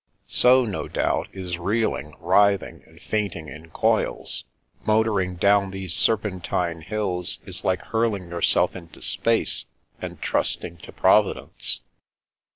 " So, no doubt, is reeling, writhing, and fainting in coils. Motoring down these serpentine hills is like hurling yourself into space, and trusting to Providence."